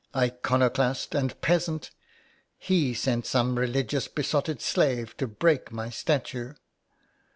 Iconoclast and peasant I He sent some religion besotted slave to break my statue."